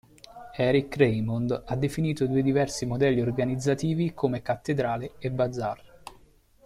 Eric Raymond ha definito i due diversi modelli organizzativi come cattedrale e bazar.